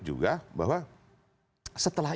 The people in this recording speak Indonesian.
juga bahwa setelah